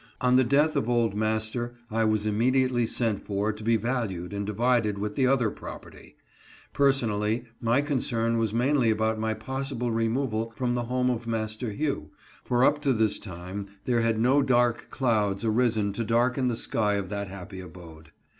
On the death of old master I was immediately sent for to be valued and divided with the other property. Per sonally, my concern was mainly about my possible re moval from the home of Master Hugh, for up to this time there had no dark clouds arisen to darken the sky of that happy abode.